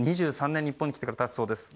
２３年が日本に来てから経つそうです。